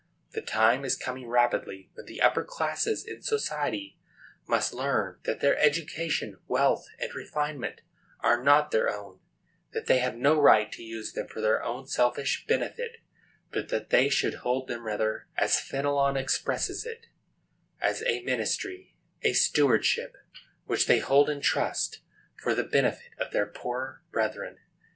The time is coming rapidly when the upper classes in society must learn that their education, wealth and refinement, are not their own; that they have no right to use them for their own selfish benefit; but that they should hold them rather, as Fenelon expresses it, as "a ministry," a stewardship, which they hold in trust for the benefit of their poorer brethren.